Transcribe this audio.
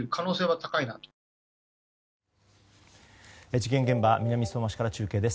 事件現場、南相馬市から中継です。